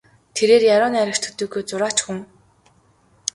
Тэрээр яруу найрагч төдийгүй зураач хүн.